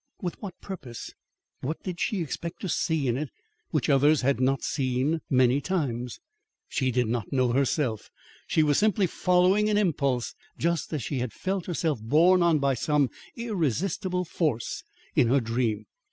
With what purpose? What did she expect to see in it which others had not seen many times? She did not know, herself. She was simply following an impulse, just as she had felt herself borne on by some irresistible force in her dream.